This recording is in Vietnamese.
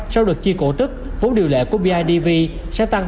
sau được chi cổ tức vốn điều lệ của bidv sẽ tăng